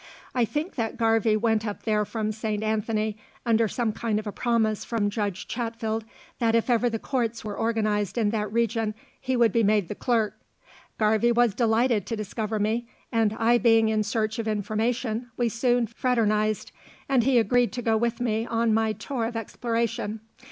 I think that Garvie went up there from St. Anthony, under some kind of a promise from Judge Chatfield, that if ever the courts were organized in that region he would be made clerk. Garvie was delighted to discover me, and I being in search of information, we soon fraternized, and he agreed to go with me on my tour of exploration.